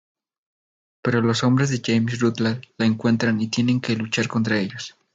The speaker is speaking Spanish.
Pero los hombres de James Rutland la encuentran y tiene que luchar contra ellos.